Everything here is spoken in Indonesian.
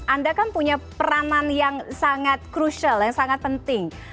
anda kan punya peranan yang sangat crucial yang sangat penting